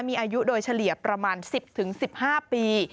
มีอายุโดยเฉลี่ยประมาณ๑๐๑๕ปี